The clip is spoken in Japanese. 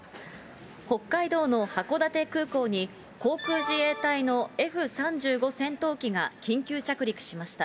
北海道の函館空港に航空自衛隊のＦ３５戦闘機が緊急着陸しました。